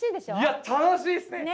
いや楽しいっすね！